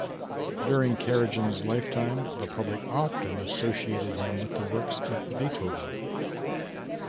During Karajan's lifetime, the public often associated him with the works of Beethoven.